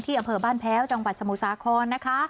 อำเภอบ้านแพ้วจังหวัดสมุทรสาครนะคะ